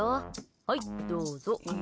はい、どうぞ。